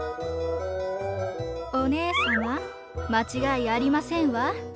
お姉さま間違いありませんわ。